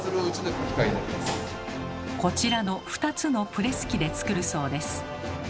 こちらの２つのプレス機で作るそうです。